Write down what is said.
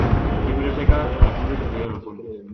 Septiembre o seca las fuentes o se lleva los puentes.